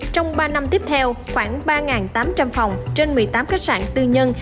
trong ba năm tiếp theo khoảng ba tám trăm linh phòng trên một mươi tám khách sạn tư nhân